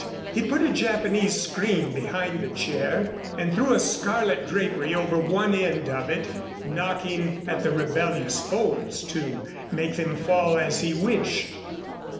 He put a Japanese screen behind the chair and threw a scarlet drapery over one end of it, knocking at the rebellious folds to make them fall as he wished.